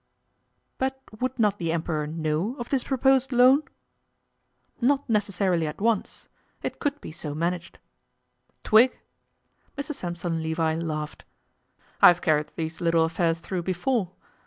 'But would not the Emperor know of this proposed loan?' 'Not necessarily at once. It could be so managed. Twig?' Mr Sampson Levi laughed. 'I've carried these little affairs through before.